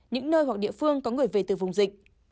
những nơi hoặc địa phương có người về từ vùng dịch